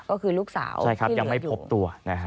ก็คือลูกสาวที่เหลืออยู่